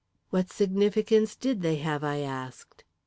"What significance did they have?" I asked.